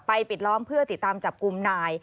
ปิดล้อมเพื่อติดตามจับกลุ่มนาย